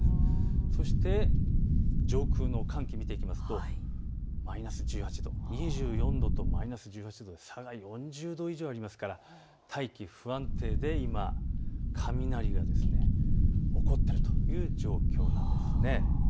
そして上空の寒気を見ていきますとマイナス１８度、２４度とマイナス１８度と差が４０度以上ありますから、大気不安定で今、雷が起こっているという状況なんです。